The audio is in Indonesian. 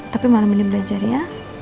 tapi malam ini belajar ya